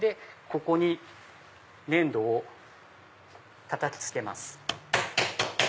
ここに粘土をたたきつけます。